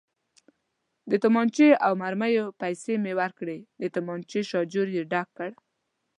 د تومانچې او مرمیو پیسې مې ورکړې، د تومانچې شاجور مې ډک کړ.